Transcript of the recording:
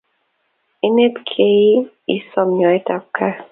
Inet kei isom nyoet ab kaat